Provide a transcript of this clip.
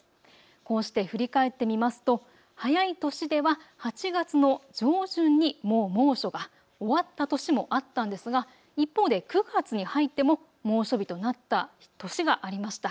こうして振り返ってみますと早い年では８月の上旬にもう猛暑が終わった年もあったんですが、一方で９月に入っても猛暑日となった年がありました。